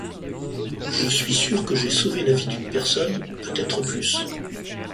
Je suis sûre que j'ai sauvé la vie d'une personne, peut-être plus.